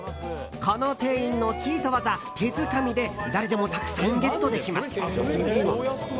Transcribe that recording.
この店員のチート技、手づかみで誰でもたくさんゲットできます。